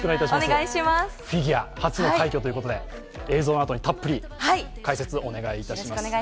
フィギュア、初の快挙ということで映像のあとたっぷり解説をお願いします